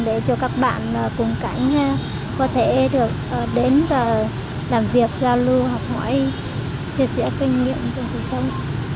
để cho các bạn cùng cảnh có thể được đến và làm việc giao lưu học hỏi chia sẻ kinh nghiệm trong cuộc sống